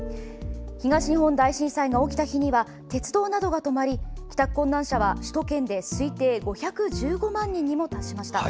東日本大震災が起きた日には鉄道などが止まり帰宅困難者は首都圏で推定５１５万人にも達しました。